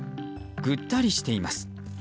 ぐったりしています。